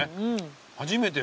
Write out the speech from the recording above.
初めて。